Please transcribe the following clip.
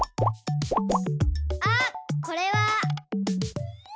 あっこれは。